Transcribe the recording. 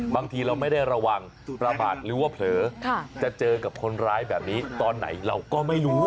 บางทีเราไม่ได้ระวังประมาทหรือว่าเผลอจะเจอกับคนร้ายแบบนี้ตอนไหนเราก็ไม่รู้